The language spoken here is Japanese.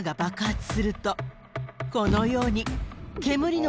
このように。